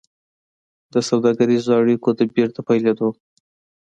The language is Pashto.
د سوداګريزو اړيکو د بېرته پيلېدو